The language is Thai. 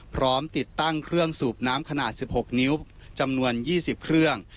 พร้อมติดตั้งเครื่องสูบน้ำขนาด๑๖นิ้วจำนวน๒๐เครื่อง